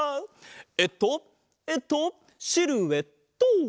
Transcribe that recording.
えっとえっとシルエット！